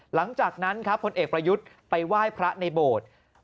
หลังจากนั้นครับผลเอกประยุทธ์ไปไหว้พระในโบสถ์